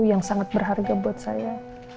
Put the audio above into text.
yang sangat berharga buat saya